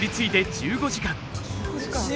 １５時間！